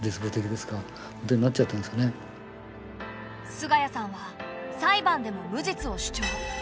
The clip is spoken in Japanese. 菅家さんは裁判でも無実を主張。